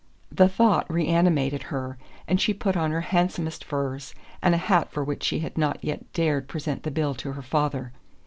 The thought reanimated her, and she put on her handsomest furs, and a hat for which she had not yet dared present the bill to her father.